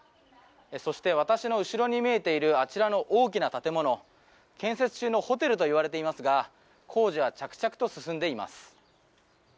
そして私の後ろに見えているあちらの大きな建物建設中のホテルといわれていますが工事は着々と進んでいます。